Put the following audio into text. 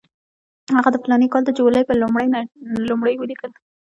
هغه د فلاني کال د جولای پر لومړۍ ولیکل.